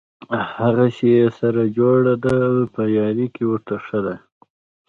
هغسې یې سره جوړه ده په یاري کې ورته ښه دي.